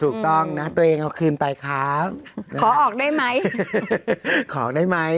ถูกต้องนะตัวเองเอาคืนไปครับขอออกได้ไหมขอได้ไหม